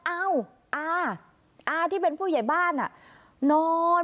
เอ้าอาที่เป็นผู้ใหญ่บ้านนอน